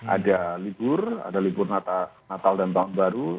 ada libur ada libur natal dan tahun baru